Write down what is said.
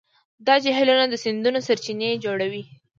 دا جهیلونه د سیندونو سرچینې جوړوي.